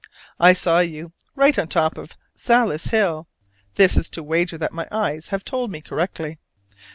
I saw you right on the top Sallis Hill: this is to wager that my eyes have told me correctly.